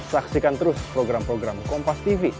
saksikan terus program program kompastv